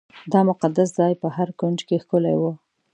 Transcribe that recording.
دا مقدس ځای په هر کونج کې ښکلی و.